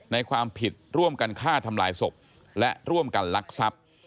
ความผิดร่วมกันฆ่าทำลายศพและร่วมกันลักทรัพย์